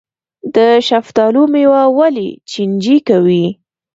د شفتالو میوه ولې چینجي کوي؟